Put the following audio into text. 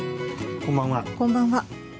こんばんは。